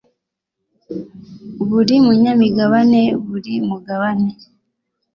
buri munyamigabane buri mugabane